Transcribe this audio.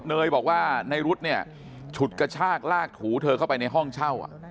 เนยบอกว่าในรุ๊ดเนี่ยฉุดกระชากลากถูเธอเข้าไปในห้องเช่า